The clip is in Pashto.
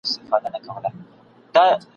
چي جوړ کړی چا خپلوانو ته زندان وي !.